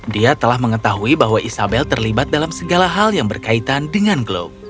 dia telah mengetahui bahwa isabel terlibat dalam segala hal yang berkaitan dengan klub